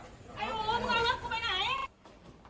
ไอ้โหมึงเอาละมึงไปไหน